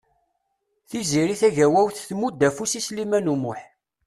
Tiziri Tagawawt tmudd afus i Sliman U Muḥ.